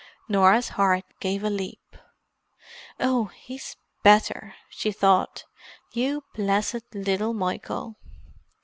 Norah's heart gave a leap. "Oh, he's better!" she thought. "You blessed little Michael!"